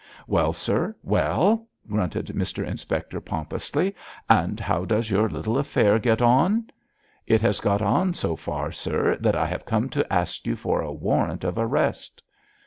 'Well, sir, well,' grunted Mr Inspector, pompously, 'and how does your little affair get on?' 'It has got on so far, sir, that I have come to ask you for a warrant of arrest.'